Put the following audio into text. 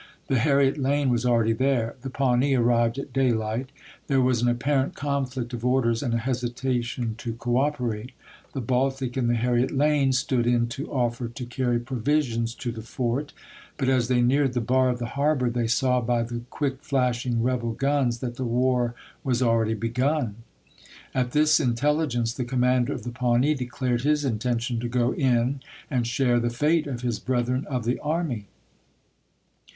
The Har riet Lane was akeady there. The Paivnee arrived at daylight. There was an apparent conflict of orders, and a hesitation to cooperate. The Baltic and the Harriet Lane stood in to offer to carry provisions to the fort ; but as they neared the bar of the harbor, they saw by the quick flashing rebel guns that the war was already begun. At this intelligence the commander of the Paivnee declared his intention to go in and "share the fate of his brethren of the army."